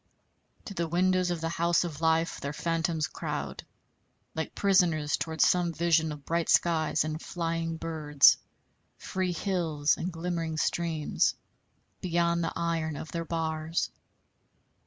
To the windows of the house of life their phantoms crowd, like prisoners toward some vision of bright skies and flying birds, free hills and glimmering streams, beyond the iron of their bars.